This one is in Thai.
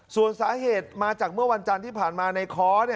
ส่วนสาเหตุมาจากเมื่อวันจันทร์ที่ผ่านมาในค้อ